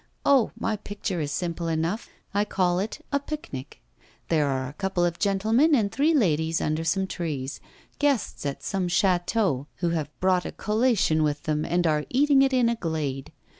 Oh! my picture is simple enough I call it "A Picnic." There are a couple of gentlemen and three ladies under some trees guests at some château, who have brought a collation with them and are eating it in a glade.